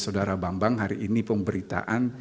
saudara bambang hari ini pemberitaan